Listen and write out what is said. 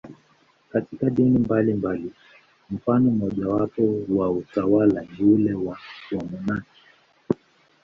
Katika dini mbalimbali, mfano mmojawapo wa utawa ni ule wa wamonaki.